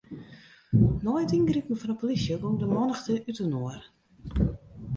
Nei it yngripen fan 'e polysje gong de mannichte útinoar.